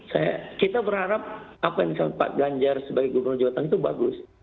saya kita berharap apa yang disampaikan pak ganjar sebagai gubernur jawa tengah itu bagus